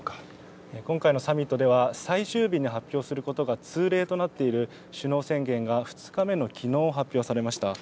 今回のサミットでは、最終日に発表することが通例となっている首脳宣言が２日目のきのう、発表されました。